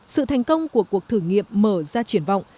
sự thành công của cuộc thử nghiệm mở ra triển vọng